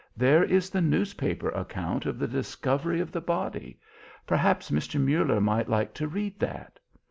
There is the newspaper account of the discovery of the body. Perhaps Mr. Muller might like to read that."